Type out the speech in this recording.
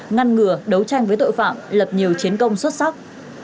ngăn ngừa đấu tranh với tội phạm lập nhiều chiến công xuất sắc